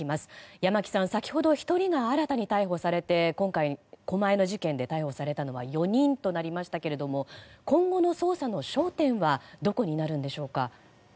山木さん、先ほど１人が新たに逮捕されて今回狛江の事件で逮捕されたのは４人となりましたけれども今後の捜査の焦点はどこになるんでしょうか。